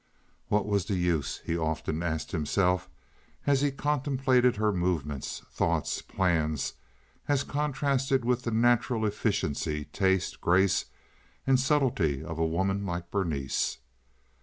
"What was the use?" he often asked himself, as he contemplated her movements, thoughts, plans, as contrasted with the natural efficiency, taste, grace, and subtlety of a woman like Berenice.